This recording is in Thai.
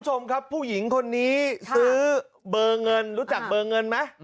คุณผู้ชมครับผู้หญิงคนนี้ซื้อเบอร์เงินรู้จักเบอร์เงินไหม